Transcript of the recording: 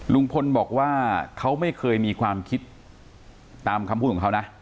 ลุงพลบอกว่าเขาไม่เคยมีความคิดตามคำพูดของเขานะ